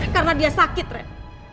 karena dia sakit ren